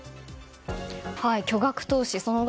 巨額投資その額